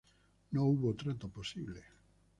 No hubo trato posible.